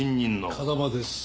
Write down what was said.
風間です。